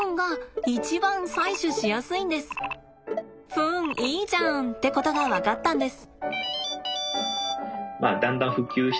フンいいじゃんってことが分かったんです。